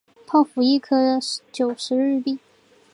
泡芙一颗九十日币